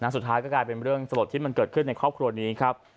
สุดท้ายก็กลายเป็นเรื่องสลดที่มันเกิดขึ้นในครอบครัวนี้ครับ